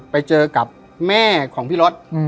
ไปเจอกับแม่ของพี่รถ